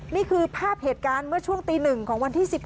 นี่คือภาพเหตุการณ์เมื่อช่วงตี๑ของวันที่๑๖